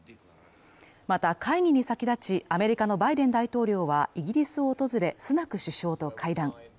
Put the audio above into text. また会議に先立ち、アメリカのバイデン大統領は、イギリスを訪れ、スナク首相と会談